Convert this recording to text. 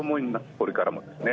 これからもですね。